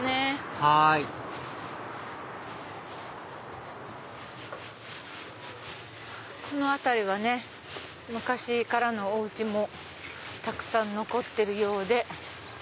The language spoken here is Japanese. はいこの辺りはね昔からのお家もたくさん残ってるようで。